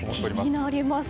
気になります。